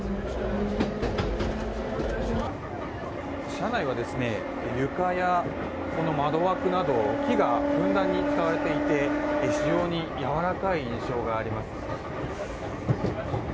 車内は床や窓枠など木がふんだんに使われていて非常にやわらかい印象があります。